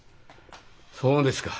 そうですか。